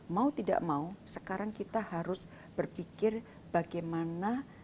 mau tidak mau sekarang kita harus berpikir bagaimana